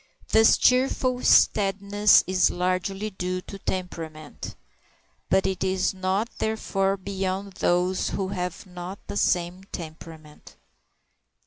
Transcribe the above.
This cheerful steadiness is largely due to temperament, but it is not therefore beyond those who have not the same temperament.